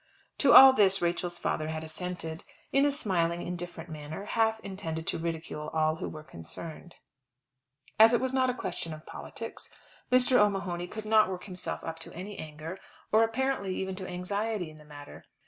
To all this Rachel's father had assented, in a smiling indifferent manner, half intended to ridicule all who were concerned. As it was not a question of politics, Mr. O'Mahony could not work himself up to any anger, or apparently even to anxiety in the matter.